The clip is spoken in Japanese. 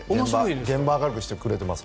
現場を明るくしてくれます。